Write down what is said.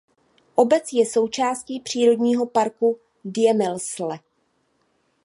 Obec je součástí přírodního parku Diemelsee.